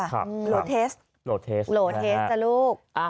โหลเทสโหลเทสโหลเทสจ้ะลูก